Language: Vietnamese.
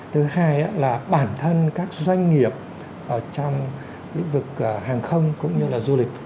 thứ hai là bản thân các doanh nghiệp trong lĩnh vực hàng không cũng như là du lịch